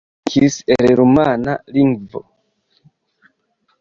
Li tradukis el rumana lingvo.